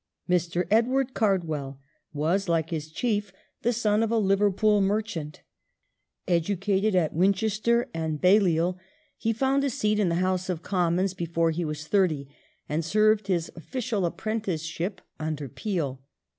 Mr. Edward Cardwell was, like his Chief, the son of a Liverpool merchant. Educated at Winchester and Balliol, he found a seat reform 1874] THE WAR OFFICE 411 in the House of Commons ^ before he was thirty, and served his official apprenticeship under Peel.